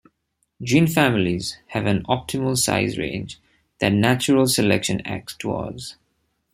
Gene families have an optimal size range that natural selection acts towards.